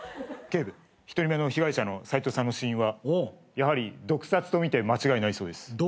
警部１人目の被害者のサイトウさんの死因はやはり毒殺とみて間違いないそうです。